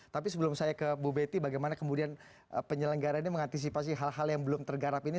tapi sebelum saya ke bu betty bagaimana kemudian penyelenggara ini mengantisipasi hal hal yang belum tergarap ini